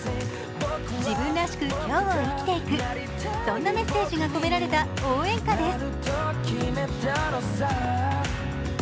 自分らしく今日を生きていく、そんなメッセージが込められた応援歌です。